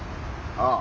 ああ。